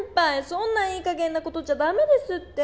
そんないいかげんなことじゃダメですって！